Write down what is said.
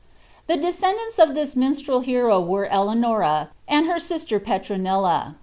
The descendants of this minstrel hero were Eleanora, and her sister Petronilla.